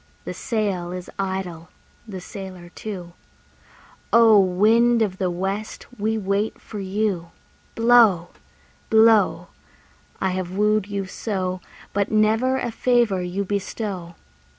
The sail is idle, the sailor too; O! wind of the west, we wait for you. Blow, blow! I have wooed you so, But never a favour you bestow.